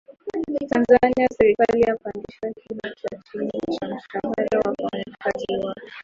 Tanzania Serikali yapandisha kima cha chini cha mshahara wa wafanyakazi wake